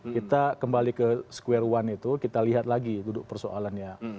kita kembali ke square one itu kita lihat lagi duduk persoalannya